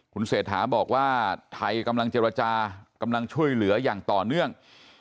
คุณเศรษฐาบอกว่าไทยกำลังเจรจากำลังช่วยเหลืออย่างต่อเนื่อง